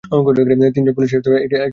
তিনজন পুলিশের একটি দল আসছে গল্প করতে করতে।